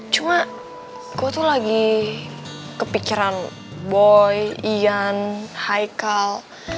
cuma gue tuh lagi kepikiran boy ian haikal